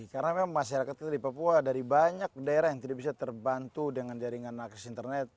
karena memang masyarakat kita di papua dari banyak daerah yang tidak bisa terbantu dengan jaringan akses internet